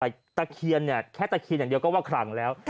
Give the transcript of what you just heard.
แค่ตะเคียนอย่างเดียวก็ว่าครังแล้ว